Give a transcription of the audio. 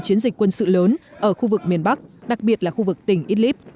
chiến dịch quân sự lớn ở khu vực miền bắc đặc biệt là khu vực tỉnh idlib